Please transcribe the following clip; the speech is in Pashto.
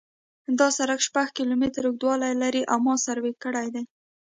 دا سرک شپږ کیلومتره اوږدوالی لري او ما سروې کړی دی